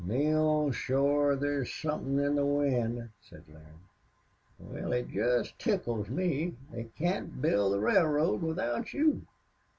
"Neale, shore there's somethin' in the wind," said Larry. "Wal, it jest tickles me. They can't build the railroad without you."